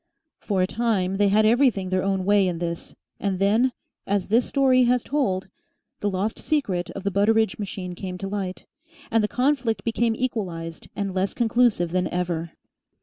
For a time they had everything their own way in this, and then, as this story has told, the lost secret of the Butteridge machine came to light, and the conflict became equalized and less conclusive than ever.